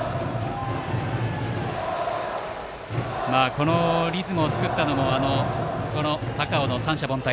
このリズムを作ったのも高尾の三者凡退。